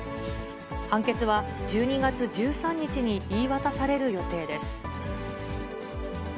判決は１２月１３日に言い渡される予定です。